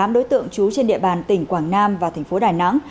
tám đối tượng chú trên địa bàn tỉnh quảng nam và thành phố đài nẵng